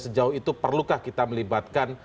sejauh itu perlukah kita melibatkan